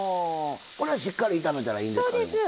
これはしっかり炒めたらいいんですか？